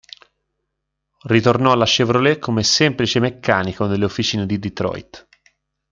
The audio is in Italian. Ritornò alla Chevrolet come semplice meccanico nelle officine di Detroit.